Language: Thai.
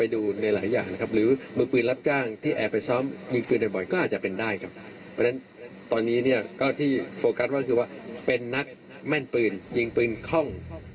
ด่านครอบครัวประชาชนที่มีความชอบในการแม่นปืน